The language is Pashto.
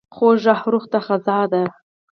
خوږ غږ روح ته غذا ده.